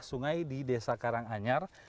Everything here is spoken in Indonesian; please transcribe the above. sungai di desa karanganyar